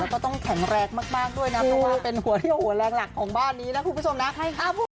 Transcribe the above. เพราะว่าเป็นหัวที่หัวแรงหลักของบ้านนี้นะคุณผู้ชมนะ